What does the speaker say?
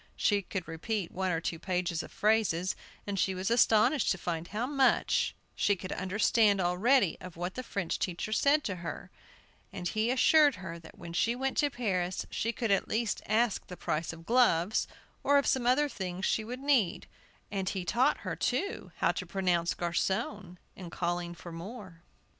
She could repeat one or two pages of phrases, and she was astonished to find how much she could understand already of what the French teacher said to her; and he assured her that when she went to Paris she could at least ask the price of gloves, or of some other things she would need, and he taught her, too, how to pronounce "garçon," in calling for more.